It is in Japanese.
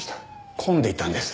混んでいたんです。